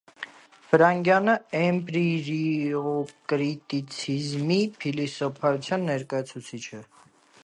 Ֆրանգյանը էմպիրիոկրիտիցիզմի փիլիսոփայության ներկայացուցիչ է։